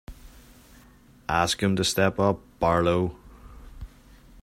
Ask him to step up, Barlow.